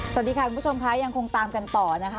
สวัสดีค่ะคุณผู้ชมค่ะยังคงตามกันต่อนะคะ